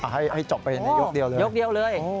ให้จบไปในยกเดียวเลย